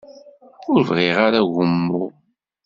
Ur bɣiɣ ara agummu.